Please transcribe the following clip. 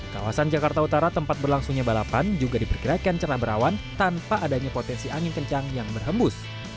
kawasan jakarta utara tempat berlangsungnya balapan juga diperkirakan cerna berawan tanpa adanya potensi angin kencang yang berhembus